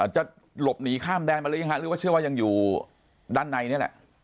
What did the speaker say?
จะหลบหนีข้ามแดนมาหรือยังฮะหรือว่าเชื่อว่ายังอยู่ด้านในนี่แหละ